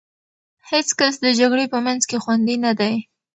هېڅ کس د جګړې په منځ کې خوندي نه دی.